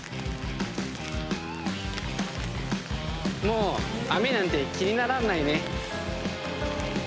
もう雨なんて気にならないね。